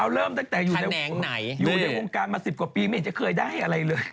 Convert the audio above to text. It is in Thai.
เริ่มตั้งแต่อยู่ในวงการมา๑๐กว่าปีไม่เห็นจะเคยได้อะไรเลย